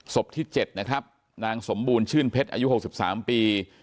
ที่๗นะครับนางสมบูรณชื่นเพชรอายุ๖๓ปี